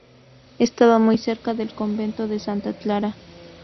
Estaba muy cerca del Convento de Santa Clara.